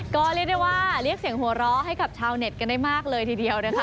ก็เรียกได้ว่าเรียกเสียงหัวเราะให้กับชาวเน็ตกันได้มากเลยทีเดียวนะคะ